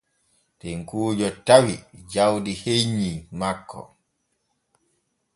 Tekkuujo tawi jawdi hennyi makko.